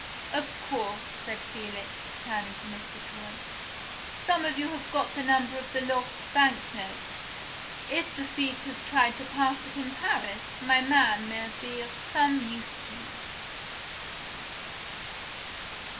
Of course," said Felix, turning to Mr. Troy, "some of you have got the number of the lost bank note? If the thief has tried to pass it in Paris, my man may be of some use to you."